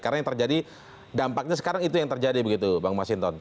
karena yang terjadi dampaknya sekarang itu yang terjadi begitu bang mas hinton